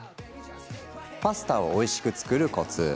パスタをおいしく作るコツ。